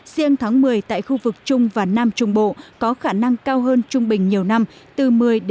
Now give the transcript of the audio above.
riêng tháng một mươi tại khu vực trung và nam trung bộ có khả năng cao hơn trung bình nhiều năm từ một mươi ba mươi